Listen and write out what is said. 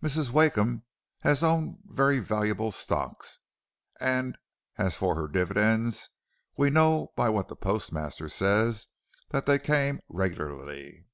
Mrs. Wakeham has owned very valuable stocks, and as for her dividends, we know by what the postmaster says that they came regularly.'